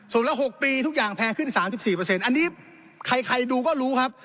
ส่วนละ๖ปีทุกอย่างแพงขึ้น๓๔อันนี้ใครดูก็รู้ครับ